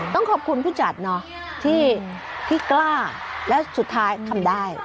ต้องขอบคุณผู้จัดเนาะที่กล้าและสุดท้ายทำได้